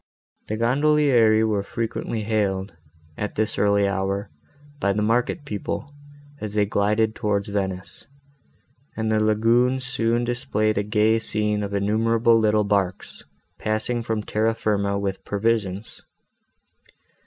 The gondolieri were frequently hailed, at this early hour, by the market people, as they glided by towards Venice, and the lagune soon displayed a gay scene of innumerable little barks, passing from Terra firma with provisions.